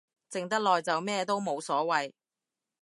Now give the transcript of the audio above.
靜得耐就咩都冇所謂